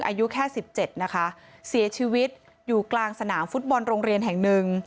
อายุแค่สิบเจ็ดนะคะเสียชีวิตอยู่กลางสนามฟุตบอลโรงเรียนแห่งหนึ่ง